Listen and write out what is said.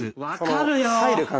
分かるよ！